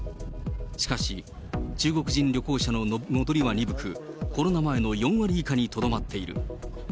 しかし、中国人旅行者の戻りは鈍く、コロナ前の４割以下にとどまっている。